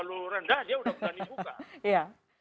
dia sudah mudah dibuka